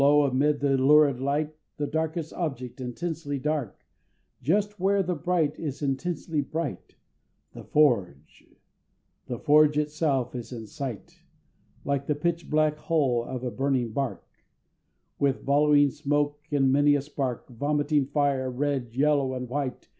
amid the lurid light, The darkest object intensely dark, Just where the bright is intensely bright, The Forge, the Forge itself is in sight, Like the pitch black hull of a burning bark, With volleying smoke, and many a spark, Vomiting fire, red, yellow, and white!